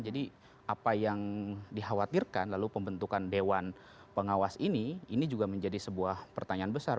jadi apa yang dikhawatirkan lalu pembentukan dewan pengawas ini ini juga menjadi sebuah pertanyaan besar